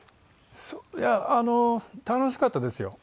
いやあの楽しかったですよ。